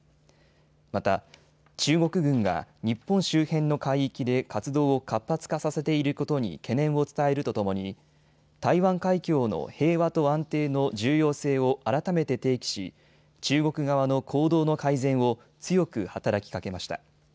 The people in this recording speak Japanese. また、中国軍が日本周辺の海域で活動を活発化させていることに懸念を伝えるとともに台湾海峡の平和と安定の重要性を改めて提起し中国側の行動の改善を強く働きかけました。